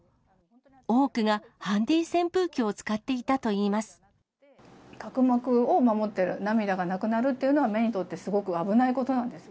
多くが、ハンディ扇風機を使って角膜を守ってる、涙がなくなるっていうのは、目にとってすごく危ないことなんです。